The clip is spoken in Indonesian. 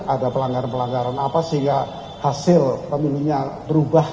ada pelanggaran pelanggaran apa sehingga hasil pemilunya berubah